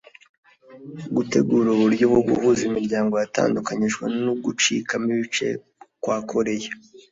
gutegura uburyo bwo guhuza imiryango yatandukanyijwe n’ugucikamo ibice kwa Koreya